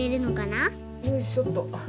よいしょっと。